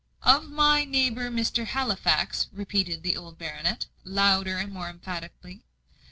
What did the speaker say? "Of my neighbour, Mr Halifax," repeated the old baronet, louder, and more emphatically.